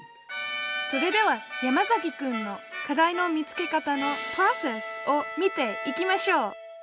それでは山崎くんの「課題の見つけ方のプロセス」を見ていきましょう。